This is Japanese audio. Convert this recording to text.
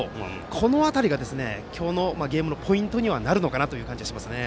この辺りが今日のゲームのポイントにはなるのかなという感じがしますね。